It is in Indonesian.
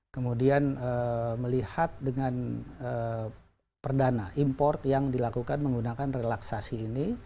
kemudian melihat dengan perdana import yang dilakukan menggunakan relaksasi ini